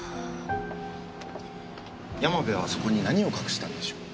山部はあそこに何を隠してたんでしょう？